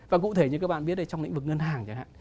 và cụ thể như các bạn biết trong lĩnh vực ngân hàng chẳng hạn